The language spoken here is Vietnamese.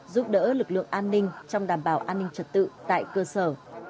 giúp đỡ lực lượng an ninh trong đảm bảo an ninh trật tự tại cơ sở